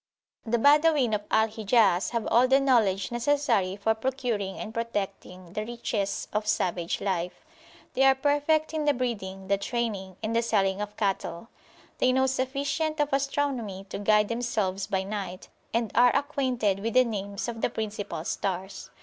The Badawin of Al Hijaz have all the knowledge necessary for procuring and protecting the riches of savage life. They are perfect in the breeding, the training, and the selling of cattle. They know sufficient of astronomy to guide themselves by night, and are acquainted [p.108] with the names of the principal stars.